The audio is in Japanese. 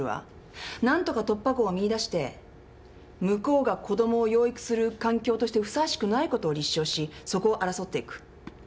何とか突破口を見いだして向こうが子供を養育する環境としてふさわしくないことを立証しそこを争っていく。